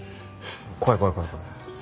怖い怖い怖い怖い。